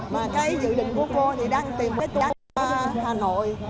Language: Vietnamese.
và cái dự định của cô thì đang tìm một cái tour hà nội